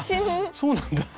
そうなんだ。